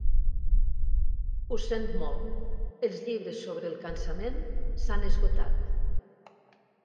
Ho sent molt, els llibres sobre el cansament s'han esgotat.